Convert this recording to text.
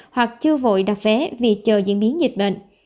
hoặc chưa vội đặt vé vì chờ diễn biến dịch bệnh